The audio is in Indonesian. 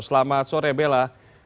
selamat sore bela